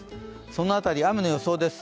その辺り、雨の予想です。